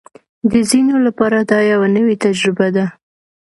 د ځینو لپاره دا یوه نوې تجربه ده